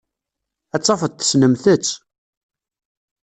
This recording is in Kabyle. Ad tafeḍ tessnemt-tt.